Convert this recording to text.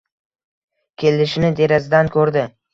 Kelishini derazadan ko'rdi.